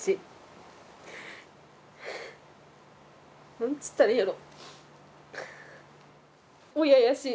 何っつったらいいやろ。